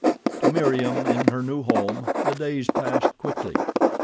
To Meriem, in her new home, the days passed quickly.